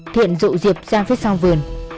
thiện dụ diệp ra phía sau vườn